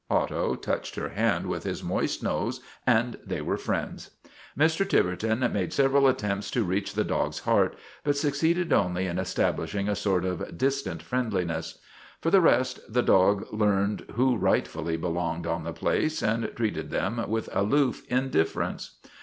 Otto touched her hand with his moist nose, and they were friends. Mr. Tiverton made several attempts to reach the dog's heart, but succeeded only in establishing a sort of distant friendliness. For the rest, the dog learned who rightfully belonged on the place and treated them with aloof indifference.